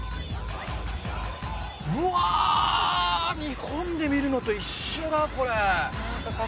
うわぁ日本で見るのと一緒だこれ。